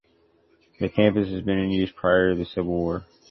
The campus has been in use prior to the Civil War.